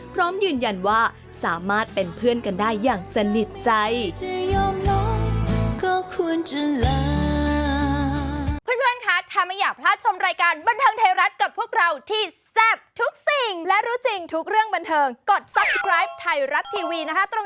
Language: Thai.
พร้อมยืนยันว่าสามารถเป็นเพื่อนกันได้อย่างสนิทใจ